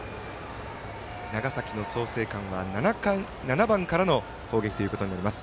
長崎の創成館は７番からの攻撃ということになります。